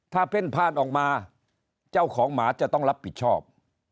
ถ้าเพ่นพ่านออกมาเจ้าของหมาจะต้องรับผิดชอบ